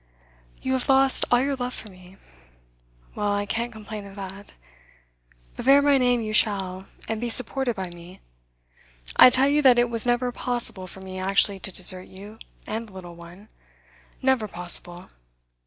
'You have lost all your love for me. Well, I can't complain of that. But bear my name you shall, and be supported by me. I tell you that it was never possible for me actually to desert you and the little one never possible.